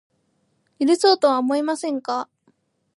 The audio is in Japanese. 許そうとは思いませんか